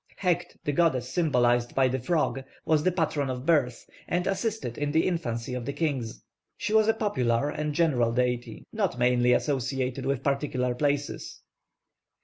+Heqt+, the goddess symbolised by the frog, was the patron of birth, and assisted in the infancy of the kings. She was a popular and general deity not mainly associated with particular places.